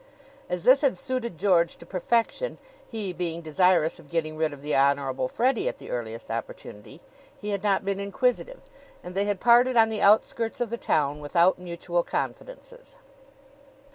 As this had suited George to perfection, he being desirous of getting rid of the Honorable Freddie at the earliest opportunity, he had not been inquisitive, and they had parted on the outskirts of the town without mutual confidences.